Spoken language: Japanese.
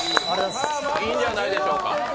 いいんじゃないでしょうか。